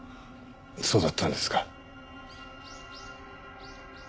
そうだったんですか。